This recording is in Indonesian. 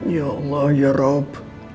ya allah ya rob